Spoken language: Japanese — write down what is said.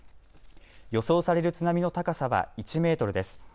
予想される津波の高さは１メートルです。